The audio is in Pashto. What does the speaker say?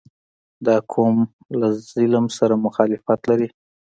• دا قوم له ظلم سره مخالفت لري.